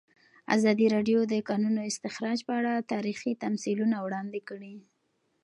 ازادي راډیو د د کانونو استخراج په اړه تاریخي تمثیلونه وړاندې کړي.